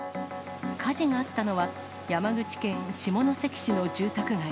火事があったのは、山口県下関市の住宅街。